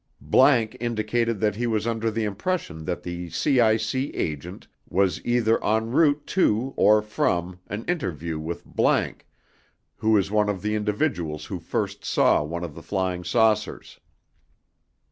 ____ indicated that he was under the impression that the CIC Agent was either on route to or from an interview with ____ who is one of the individuals who first saw one of the flying saucers.